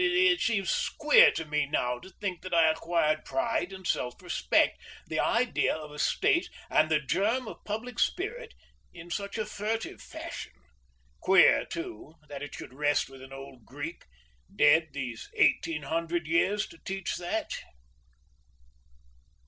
It seems queer to me now to think that I acquired pride and self respect, the idea of a state and the germ of public spirit, in such a furtive fashion; queer, too, that it should rest with an old Greek, dead these eighteen hundred years to teach that.